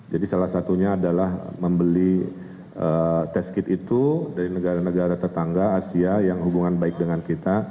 jadi salah satunya adalah membeli tes kit itu dari negara negara tetangga asia yang hubungan baik dengan kita